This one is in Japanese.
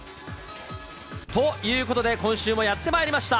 ということで、今週もやってまいりました。